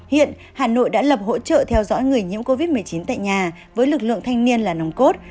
hiện hà nội đã lập hỗ trợ theo dõi người nhiễm covid một mươi chín tại nhà với lực lượng thanh niên là nồng cốt